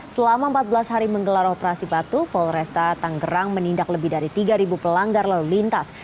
selama empat belas hari menggelar operasi batu polresta tanggerang menindak lebih dari tiga pelanggar lalu lintas